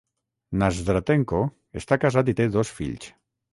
Nazdratenko està casat i té dos fills.